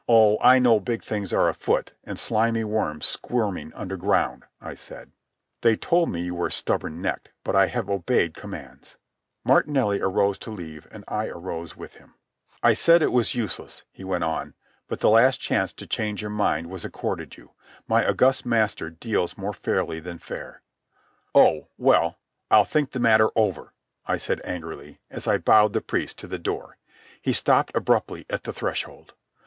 "Oh, I know big things are afoot and slimy worms squirming underground," I said. "They told me you were stubborn necked, but I have obeyed commands." Martinelli arose to leave, and I arose with him. "I said it was useless," he went on. "But the last chance to change your mind was accorded you. My august master deals more fairly than fair." "Oh, well, I'll think the matter over," I said airily, as I bowed the priest to the door. He stopped abruptly at the threshold.